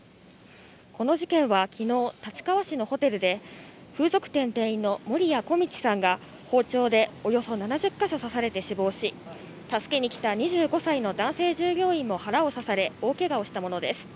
この事件はきのう、立川市のホテルで、風俗店店員の守屋径さんが、包丁でおよそ７０か所刺されて死亡し、助けにきた２５歳の男性従業員も腹を刺され、大けがをしたものです。